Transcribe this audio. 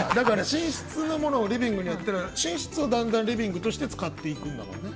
寝室のものをリビングにやって寝室をだんだんリビングとして使っていくんだもんね。